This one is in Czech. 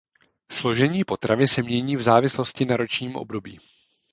Složení potravy se mění v závislosti na ročním období.